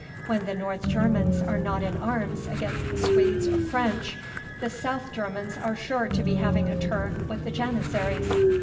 When the North Germans are not in arms against the Swedes or French, the South Germans are sure to be having a turn with the janissaries.